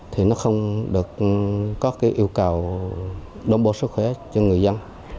thì nó không được có cái yêu cầu đồng bộ sức khỏe cho người dân